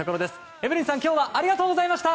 エブリンさんありがとうございました。